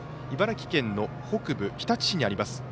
茨城県の北部、日立市にあります。